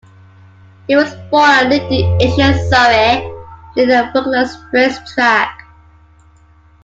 He was born and lived in Esher, Surrey, near the Brooklands race track.